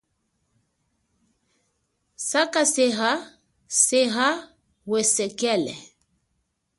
Sakaseha seha wesekele.